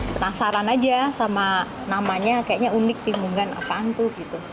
penasaran aja sama namanya kayaknya unik timbungan apaan tuh gitu